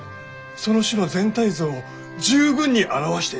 その種の全体像を十分に表している！